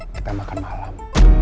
kita makan malam